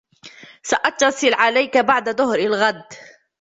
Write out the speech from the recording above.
سأتصل عليك بعد ظهر الغد.